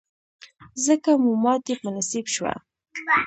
ځکه مو ماتې په نصیب شوه.